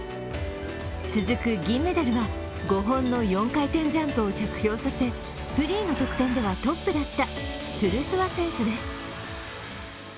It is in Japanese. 続く銀メダルは５本の４回転ジャンプを着氷刺せ、フリーの得点ではトップだったトゥルソワ選手です。